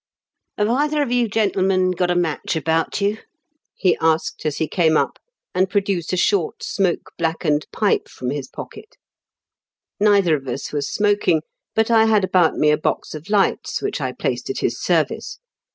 "Have either of you gentlemen got a match about you ?" he asked, as he came up, and produced a short smoke blackened pipe from his pocket Neither of us was smoking, but I had about me a box of lights, which I placed at his service.